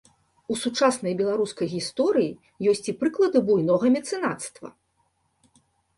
У сучаснай беларускай гісторыі ёсць і прыклады буйнога мецэнацтва.